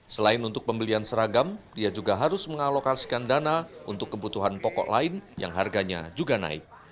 selain untuk pembelian seragam dia juga harus mengalokasikan dana untuk kebutuhan pokok lain yang harganya juga naik